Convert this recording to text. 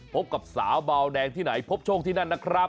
พบกับสาวเบาแดงที่ไหนพบโชคที่นั่นนะครับ